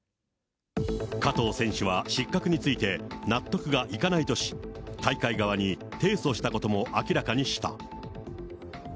加藤選手は失格について、納得がいかないとして、大会側に提訴したことも明らかにした。